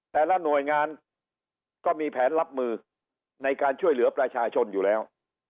แต่ละหน่วยงานก็มีแผนรับมือในการช่วยเหลือประชาชนอยู่แล้ว